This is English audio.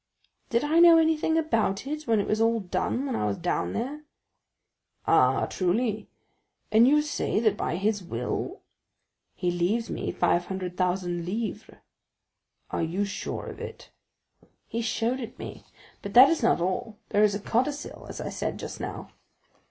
"Did I know anything about it, when it was all done when I was down there?" "Ah, truly? And you say that by his will——" "He leaves me five hundred thousand livres." "Are you sure of it?" "He showed it me; but that is not all—there is a codicil, as I said just now."